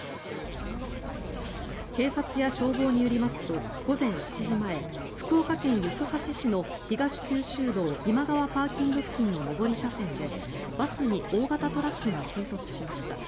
警察や消防によりますと午前７時前福岡県行橋市の東九州道今川ＰＡ付近の上り車線でバスに大型トラックが追突しました。